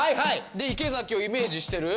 で池崎をイメージしてる？